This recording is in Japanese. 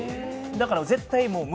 だから絶対もう。